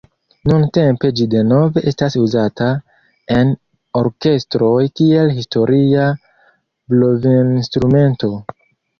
Nuntempe ĝi denove estas uzata en orkestroj kiel historia blovinstrumento.